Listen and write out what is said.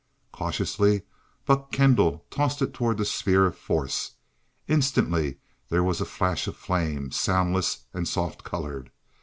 Cautiously Buck Kendall tossed it toward the sphere of force. Instantly there was a flash of flame, soundless and soft colored.